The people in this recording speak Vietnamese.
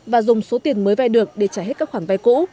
và dùng số tiền mới vay được để trả hết các khoản vay cũ